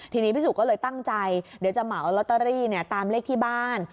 ทีนี้พี่สุก็เลยตั้งใจเดี๋ยวจะเหมาลอตเตอรี่ตามเลขที่บ้าน